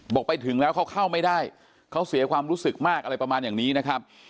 บอกไปถึงแล้วเขาเข้าไม่ได้เขาเสียความรู้สึกมากอะไรประมาณอย่างนี้นะครับ